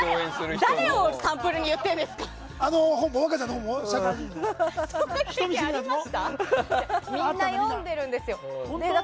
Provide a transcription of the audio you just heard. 誰をサンプルに言ってるんですか！